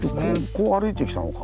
こう歩いてきたのか。